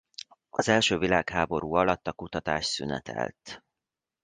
Az első világháború alatt a kutatás szünetelt.